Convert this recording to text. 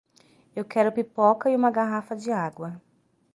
Eu quero pipoca e uma garrafa de água!